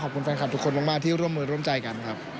ขอบคุณแฟนคลับทุกคนมากที่ร่วมมือร่วมใจกันครับ